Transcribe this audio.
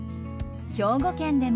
兵庫県でも。